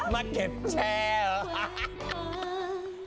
มาเก็บแชร์เหรอ